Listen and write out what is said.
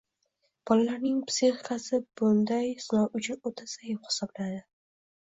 Bolalarning psixikasi bunday sinov uchun o‘ta zaif hisoblanadi.